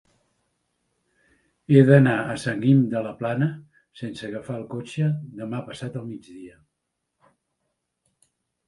He d'anar a Sant Guim de la Plana sense agafar el cotxe demà passat al migdia.